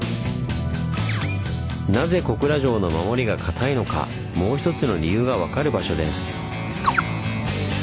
なぜ小倉城の守りが堅いのかもうひとつの理由が分かる場所です。